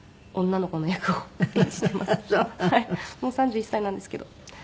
もう３１歳なんですけど。